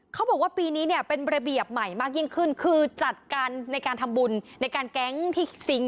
เขาบอกว่าปีนี้เนี่ยเป็นระเบียบใหม่มากยิ่งขึ้นคือจัดการในการทำบุญในการแก๊งที่ซิงค